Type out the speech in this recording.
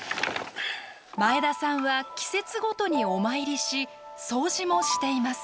前田さんは季節ごとにお参りし掃除もしています。